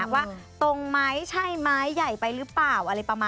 ว่าตรงไหมใช่ไหมใหญ่ไปรึเปล่า